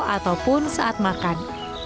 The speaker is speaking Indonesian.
ataupun saat makan